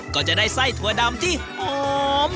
ก็จะได้ไส้ถั่วดำที่หอม